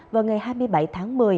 vào ngày hai mươi bảy tháng một mươi